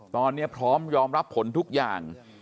ตอนนี้พร้อมยอมรับผลทุกอย่าง